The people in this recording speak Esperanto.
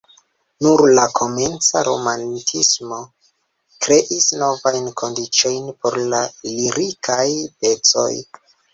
Nur la komenca romantismo kreis novajn kondiĉojn por la lirikaj pecoj.